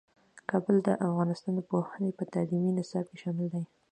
کابل د افغانستان د پوهنې په تعلیمي نصاب کې شامل دی.